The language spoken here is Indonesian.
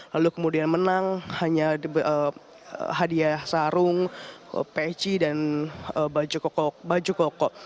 lalu kemudian menang hanya hadiah sarung peci dan baju koko